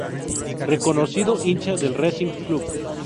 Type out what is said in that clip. Reconocido hincha de Racing Club.